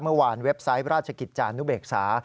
เมื่อวานเว็บไซต์ราชกิจจานุเบกษา